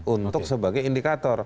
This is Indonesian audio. untuk sebagai indikator